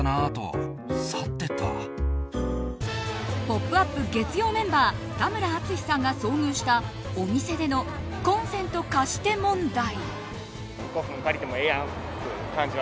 「ポップＵＰ！」月曜メンバー田村淳さんが遭遇したお店でのコンセント貸して問題。